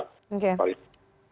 untuk ada masalah